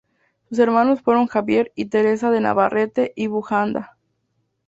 Sus hermanos fueron Javier y Teresa de Navarrete y Bujanda.